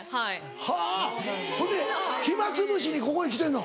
はぁほんで暇つぶしにここへ来てるの？